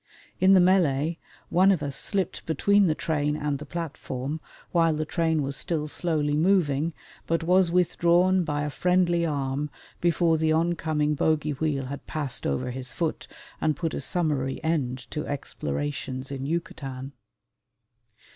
In the mêlée one of us slipped between the train and the platform, while the train was still slowly moving, but was withdrawn by a friendly arm before the oncoming bogey wheel had passed over his foot and put a summary end to explorations in Yucatan.